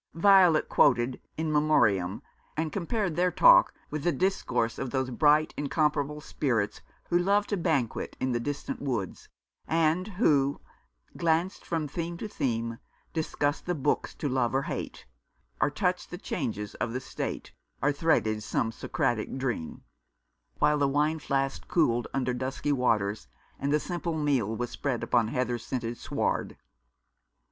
Violet quoted " In Memoriam," and compared their talk with the discourse of those bright, incomparable spirits who loved to " banquet in the distant woods," and who "glanced from theme to theme, Discussed the books to love or hate, Or touch'd the changes of the State, Or threaded some Socratic dream," 320 The American Remembers. while the wine flask cooled under dusky waters, and the simple meal was spread upon heather scented sward.